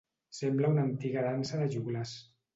Sembla una antiga dansa de joglars.